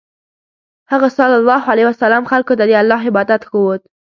هغه ﷺ خلکو ته د الله عبادت ښوود.